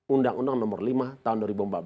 undang undang nomor lima tahun dua ribu empat belas